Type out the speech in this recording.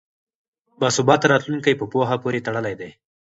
باثباته راتلونکی په پوهه پورې تړلی دی.